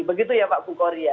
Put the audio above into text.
begitu ya pak bukori ya